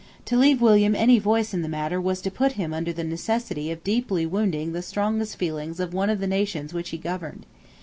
To leave William any voice in the matter was to put him under the necessity of deeply wounding the strongest feelings of one of the nations which he governed.